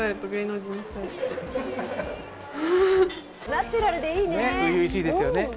ナチュラルでいいね。